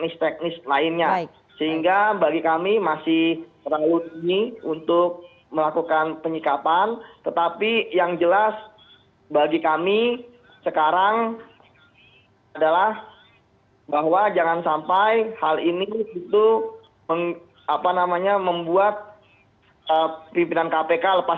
saya hal ini itu membuat pimpinan kpk lepas tanggung jawab